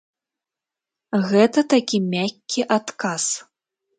Гэта такі мяккі адказ.